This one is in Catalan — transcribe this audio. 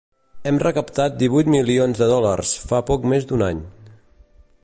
Hem recaptat divuit milions de dòlars, fa poc més d’un any.